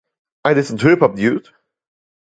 I listen to hip-hop, dude.